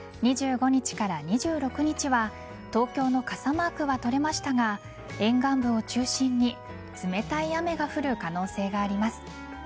２５日から２６日は東京の傘マークは取れましたが沿岸部を中心に冷たい雨が降る可能性があります。